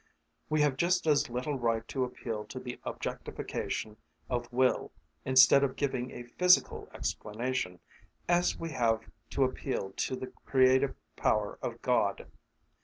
We have just as little right to appeal to the objectification of will, instead of giving a physical explanation, as we have to appeal to the creative power of God.